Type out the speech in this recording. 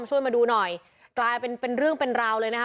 ช่วยมาดูหน่อยกลายเป็นเป็นเรื่องเป็นราวเลยนะคะ